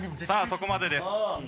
さあそこまでです。